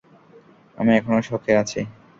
আমি এখনো শকে আছি।